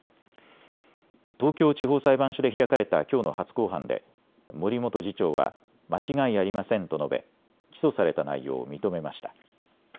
東京地方裁判所で開かれたきょうの初公判で森元次長は間違いありませんと述べ起訴された内容を認めました。